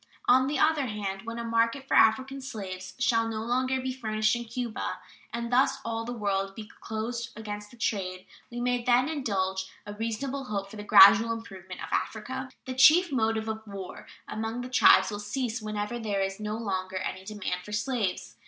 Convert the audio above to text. On the other hand, when a market for African slaves shall no longer be furnished in Cuba, and thus all the world be closed against this trade, we may then indulge a reasonable hope for the gradual improvement of Africa. The chief motive of war among the tribes will cease whenever there is no longer any demand for slaves.